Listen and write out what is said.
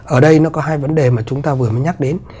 ở đây nó có hai vấn đề mà chúng ta vừa mới nhắc đến